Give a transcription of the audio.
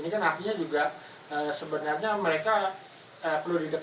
ini kan artinya juga sebenarnya mereka perlu diketahui